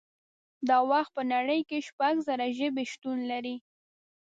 دا وخت په نړۍ کې شپږ زره ژبې شتون لري